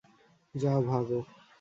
যাও, ভাগো।